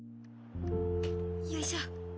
よいしょ。